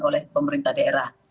oleh pemerintah daerah